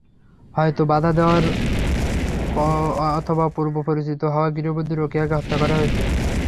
হয়তো বাধা দেওয়ায় অথবা পূর্বপরিচিত হওয়ায় গৃহবধূ রোকেয়াকে হত্যা করা হয়েছে।